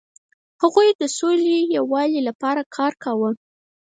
هغوی د سولې او یووالي لپاره کار کاوه.